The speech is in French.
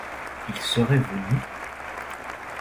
Ils seraient venus ?